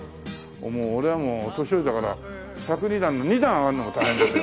俺はもう年寄りだから１０２段の２段上がるのも大変ですよ。